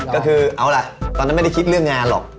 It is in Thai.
ก็คือเอาล่ะตอนนั้นไม่ได้คิดเรื่องงานหรอก